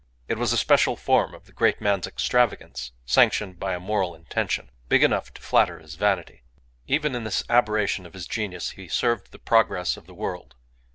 It was a special form of the great man's extravagance, sanctioned by a moral intention, big enough to flatter his vanity. Even in this aberration of his genius he served the progress of the world.